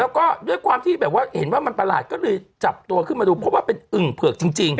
แล้วก็ด้วยความที่แบบว่าเห็นว่ามันประหลาดก็เลยจับตัวขึ้นมาดูเพราะว่าเป็นอึ่งเผือกจริง